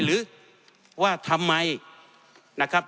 หรือว่าทำไมนะครับ